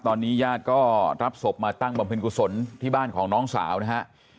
ตอนนี้ญาติก็รับศพมาตั้งบำเพ็ญกุศลที่บ้านของน้องสาวนะฮะ